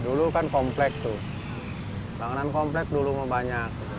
dulu kan komplek tuh bangunan komplek dulu mau banyak